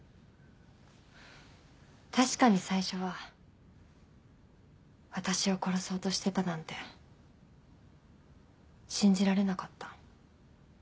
確かに最初は私を殺そうとしてたなんて信じられなかった。